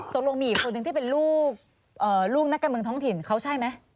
ตกลงมีอีกคนนึงที่เป็นลูกนักการเมืองท้องถิ่นเขาใช่ไหม